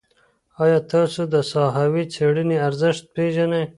ایا تاسو د ساحوي څېړني ارزښت پېژنئ؟